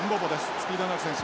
スピードのある選手。